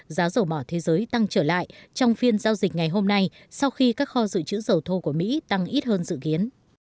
giá dầu mỏ thế giới tăng trở lại trong phiên giao dịch ngày hôm nay sau khi các kho dự trữ dầu thô của mỹ tăng ít hơn dự kiến